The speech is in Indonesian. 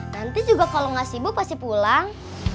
nanti juga kalau nggak sibuk pasti pulang